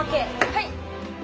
はい！